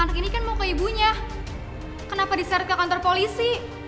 anak ini kan mau ke ibunya kenapa diseret ke kantor polisi